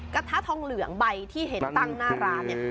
กระทะทองเหลืองใบที่เห็นตั้งหน้าร้านเนี่ย